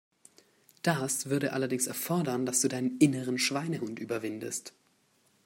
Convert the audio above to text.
Das würde allerdings erfordern, dass du deinen inneren Schweinehund überwindest.